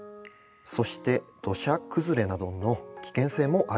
そして土砂崩れなどの危険性もあると。